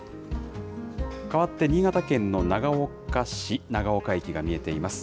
かわって新潟県の長岡市、長岡駅が見えています。